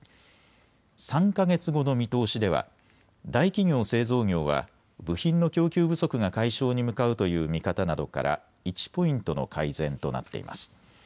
３か月後の見通しでは大企業・製造業は部品の供給不足が解消に向かうという見方などから１ポイントの改善となっています。